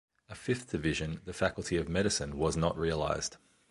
A fifth division, the Faculty of Medicine, was not realized.